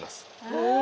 へえ。